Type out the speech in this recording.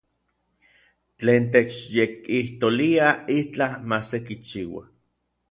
Tlen techyekijtolia itlaj ma sekichia.